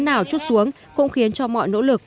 nào chút xuống cũng khiến cho mọi nỗ lực